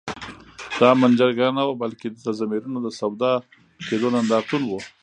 د آمن جرګه نه وه بلکي د ضمیرونو د سودا کېدو نندارتون وو